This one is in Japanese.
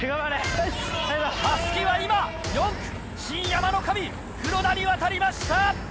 襷は今４区新山の神黒田に渡りました！